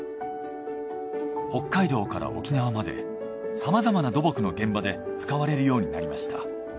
北海道から沖縄までさまざまな土木の現場で使われるようになりました。